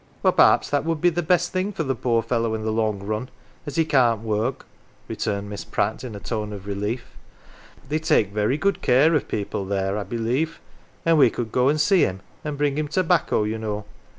" Well, perhaps, that would be the best thing for the poor fellow in the long run as he can't work, 11 returned Miss Pratt, in a tone of relief. " They take very good care of people there, I believe, and we could go and see him and bring him tobacco, you know.